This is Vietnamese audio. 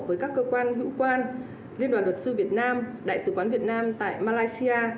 với các cơ quan hữu quan liên đoàn luật sư việt nam đại sứ quán việt nam tại malaysia